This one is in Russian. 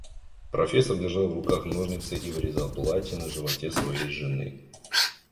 Профессор держал в руках ножницы и вырезал платье на животе своей жены.